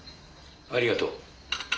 ありがとう。